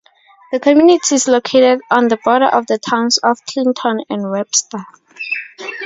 The community is located on the border of the towns of Clinton and Webster.